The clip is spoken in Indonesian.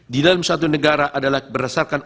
di dalam satu negara adalah berdasarkan